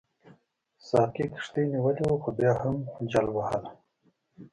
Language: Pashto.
ساقي کښتۍ نیولې وه خو بیا هم جل وهله.